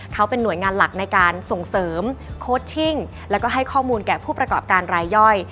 เขาเป็นหน่วยงานหลักในการส่งเสริมโค้ชชิ่งแล้วก็ให้ข้อมูลแก่ผู้ประกอบการรายย่อย